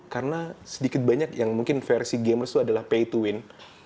karena sedikit banyak yang mungkin versi gamers itu adalah pay to win